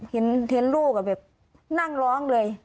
เห็นลูกแบบนั่งร้องเลย